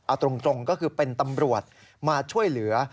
เอาตรงก็คือเป็นตำรวจมาช่วยเหลือ